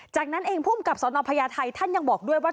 จากนั้นเองภูมิกับสนพญาไทยท่านยังบอกด้วยว่า